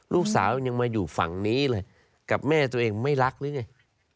ลูกสาวยังมาอยู่ฝั่งนี้เลยกับแม่ตัวเองไม่รักหรือไง